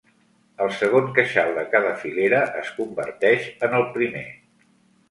El segon queixal de cada filera es converteix en el primer.